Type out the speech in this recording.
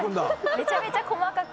めちゃめちゃ細かく。